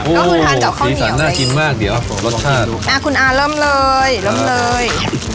โอ้สีสันน่ากินมากเดี๋ยวรสชาติอ่าคุณอาเริ่มเลยเริ่มเลย